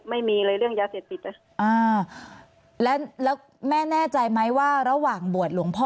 ไม่มีเลยเรื่องยาเสพติดอ่าแล้วแล้วแม่แน่ใจไหมว่าระหว่างบวชหลวงพ่อ